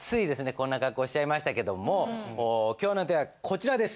こんな格好しちゃいましたけども今日のテーマはこちらです。